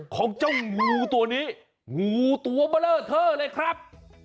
ของเจ้างูตัวนี้งูตัวเบลอเทอร์เลยครับ